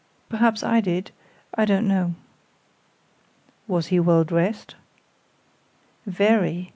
Perhaps I did I don't know." "Was he well dressed?" "Very.